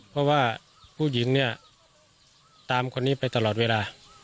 เพราะว่าผู้หญิงเนี่ยตามคนนี้ไปตลอดเวลา